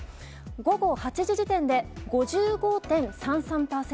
午後８時時点で５５．３３％。